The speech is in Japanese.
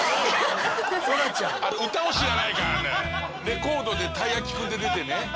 レコードで「たいやきくん」って出てね